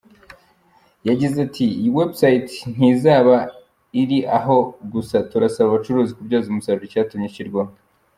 Yagize ati: "Iyi website ntizaba iri aho gusa turasaba abacuruzi kubyaza umusaruro icyatumye ishyirwaho.